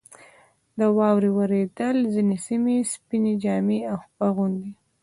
• د واورې اورېدل ځینې سیمې سپینې جامې اغوندي.